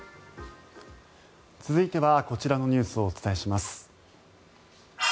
続いてはこちらのニュースをお伝えします。